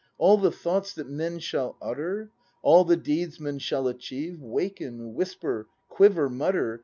All the thoughts that men shall utter. All the deeds men shall achieve, Waken, whisper, quiver, mutter.